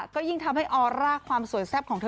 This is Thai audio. ก็ยิ่งทำให้ออร่าความสวยแซ่บของเธอ